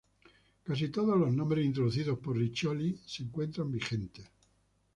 Casi todos los nombres introducidos por Riccioli se encuentran vigentes.